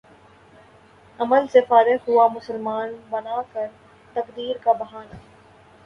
عمل سے فارغ ہوا مسلماں بنا کر تقدیر کا بہانہ